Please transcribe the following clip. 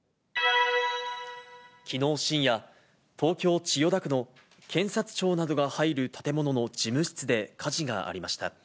きのう深夜、東京・千代田区の検察庁などが入る建物の事務室で火事がありました。